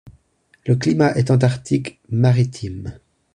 Le climat est antarctique maritime.